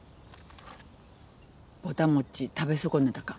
ぼた餅食べ損ねたか。